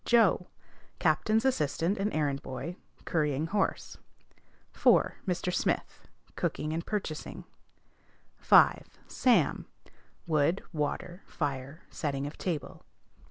Joe. Captain's assistant and errand boy; currying horse. 4. Mr. Smith. Cooking and purchasing. 5. Sam. Wood, water, fire, setting of table.